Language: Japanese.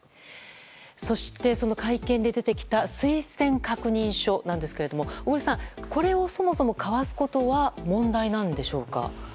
そして、その会見で出てきた推薦確認書なんですが小栗さん、これをそもそも交わすことは問題なんでしょうか？